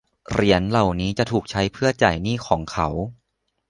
เหรียญเหล่านี้จะถูกใช้เพื่อจ่ายหนี้ของเขา